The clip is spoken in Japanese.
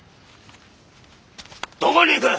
どこに行く！？